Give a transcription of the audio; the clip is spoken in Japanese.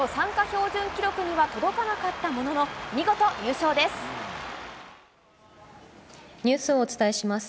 標準記録には届かなかったものの、見事優勝です。